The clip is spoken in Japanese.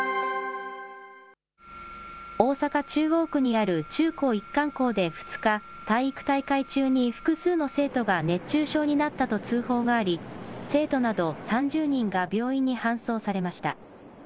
大阪・中央区にある中高一貫校で２日、体育大会中に複数の生徒が熱中症になったと通報があり、生徒など３０人が病院に搬送されました。